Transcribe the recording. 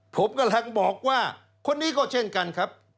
ผมกำลังบอกว่าคนนี้ก็เช่นกันครับ